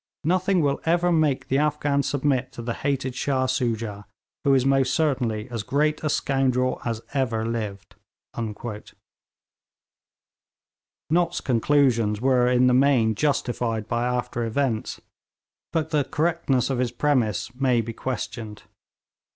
Nothing will ever make the Afghans submit to the hated Shah Soojah, who is most certainly as great a scoundrel as ever lived.' Nott's conclusions were in the main justified by after events, but the correctness of his premiss may be questioned.